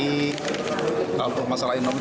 tidak untuk masalah indomie